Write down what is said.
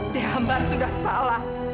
dia ambat sudah salah